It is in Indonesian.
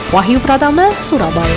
wahyu pratama surabaya